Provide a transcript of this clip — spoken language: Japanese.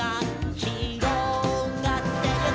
「ひろがって行く」